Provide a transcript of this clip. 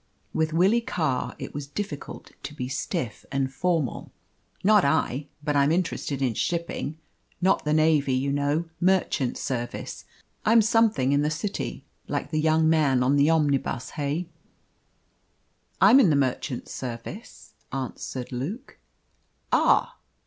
With Willie Carr it was difficult to be stiff and formal. "Not I; but I'm interested in shipping not the navy, you know merchant service. I'm something in the City, like the young man on the omnibus, eh?" "I'm in the merchant service," answered Luke. "Ah!